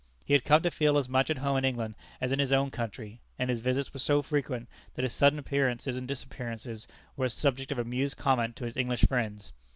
He had come to feel as much at home in England as in his own country: and his visits were so frequent that his sudden appearances and disappearances were a subject of amused comment to his English friends.